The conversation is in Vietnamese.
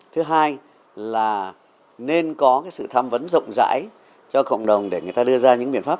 thứ hai là nên có sự tham vấn rộng rãi cho cộng đồng để người ta đưa ra những biện pháp